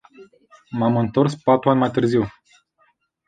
M-am întors patru ani mai târziu.